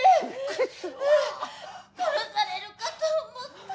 殺されるかと思った。